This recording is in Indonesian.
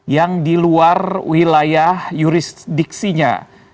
yang di luar wilayah jurisdiksinya